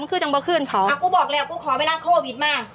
มึงขึ้นจังบ่ขึ้นเขาอ่ากูบอกแล้วกูขอเวลาเข้าวิทมาก